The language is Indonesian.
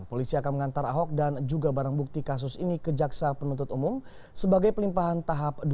polisi akan mengantar ahok dan juga barang bukti kasus ini ke jaksa penuntut umum sebagai pelimpahan tahap dua